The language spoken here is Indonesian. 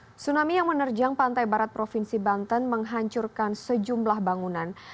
tsunami yang menerjang pantai barat provinsi banten menghancurkan sejumlah bangunan